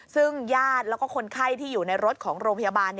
ซึ่งญาติแล้วก็คนไข้ที่อยู่ในรถของโรงพยาบาล